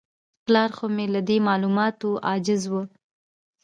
پلار خو مې له دې معلوماتو عاجز و.